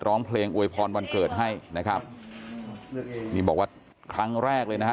ร้องเพลงอวยพรวันเกิดให้นะครับนี่บอกว่าครั้งแรกเลยนะฮะ